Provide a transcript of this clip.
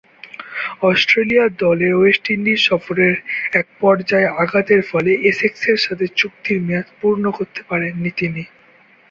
Australia দলের West Indies সফরের এক পর্যায়ে আঘাতের ফলে এসেক্সের সাথে চুক্তির মেয়াদ পূর্ণ করতে পারেননি তিনি।